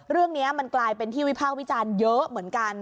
เรื่องนี้มันกลายเป็นที่วิพากษ์วิจารณ์เยอะเหมือนกัน